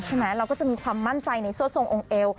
ใช่ไหมเราก็จะมีความมั่นใจในส่วนทรงองค์เอว